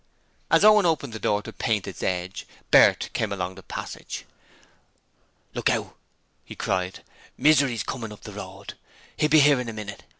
As Owen opened the door to paint its edge, Bert came along the passage. 'Look out!' he cried, 'Misery's comin' up the road. 'E'll be 'ere in a minit.'